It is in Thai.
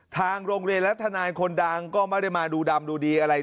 ทางโรงเรียนและทนายคนดังก็ไม่ได้มาดูดำดูดีอะไร